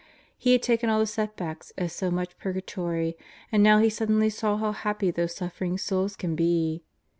He had taken all the setbacks as so much Purgatory, and now he suddenly saw how happy those suffering souls can be.